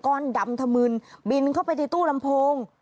ดำถมืนบินเข้าไปในตู้ลำโพง